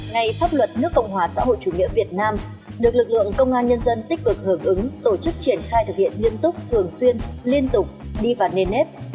ngày pháp luật nước cộng hòa xã hội chủ nghĩa việt nam được lực lượng công an nhân dân tích cực hưởng ứng tổ chức triển khai thực hiện nghiêm túc thường xuyên liên tục đi vào nền nếp